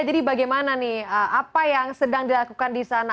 jadi bagaimana nih apa yang sedang dilakukan di sana